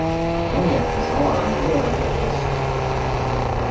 Hän jätti Saaran vuorelle istumaan.